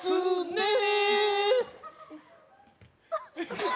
ねえ